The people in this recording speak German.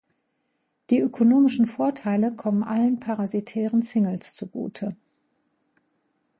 Die ökonomischen Vorteile kommen allen parasitären Singles zugute.